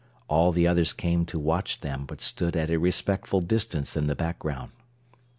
All the others came to watch them, but stood at a respectful distance in the background.